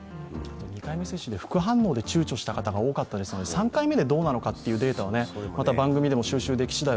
２回目接種で副反応でちゅうちょした方が多かったので３回目でどうなのかというデータをまた番組でも収集できしだい